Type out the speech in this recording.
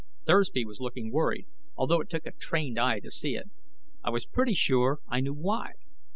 Thursby was looking worried, although it took a trained eye to see it. I was pretty sure I knew why.